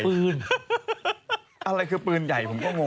ปืนอะไรคือปืนใหญ่ผมก็งง